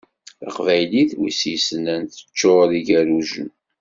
Taqbaylit, win i s-yessnen, teččur d igerrujen.